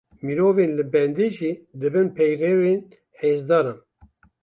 Mirovên li bende jî dibin peyrewên hêzdaran.